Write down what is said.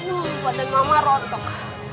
oh badan mama rontok